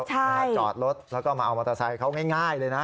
จอดรถแล้วก็มาเอามอเตอร์ไซค์เขาง่ายเลยนะ